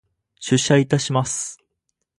出社いたします。